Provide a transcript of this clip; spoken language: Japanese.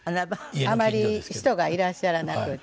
あまり人がいらっしゃらなくって。